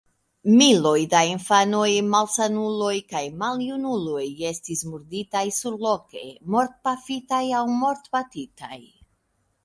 Miloj da infanoj, malsanuloj kaj maljunuloj estis murditaj surloke: mortpafitaj aŭ mortbatitaj.